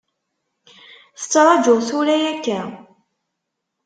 Tettrajuḍ tura akka?